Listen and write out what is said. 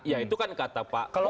ya itu kan kata pak